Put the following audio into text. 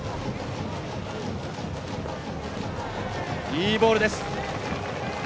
いいボールです。